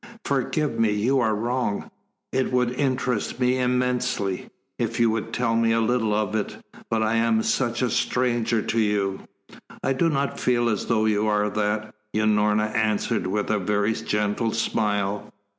"Forgive me, you are wrong, It would interest me immensely if you would tell me a little of it; but I am such a stranger to you " "I do not feel as though you are that," Unorna answered with a very gentle smile.